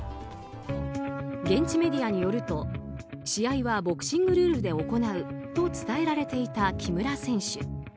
現地メディアによると試合はボクシングルールで行うと伝えられていた木村選手。